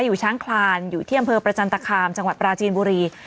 อยู่ช้างคลานอยู่ที่อำเภอประจันตคามจังหวัดปราจีนบุรี